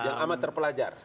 yang amat terpelajar